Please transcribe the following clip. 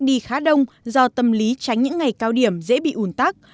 đi khá đông do tâm lý tránh những ngày cao điểm dễ bị ủn tắc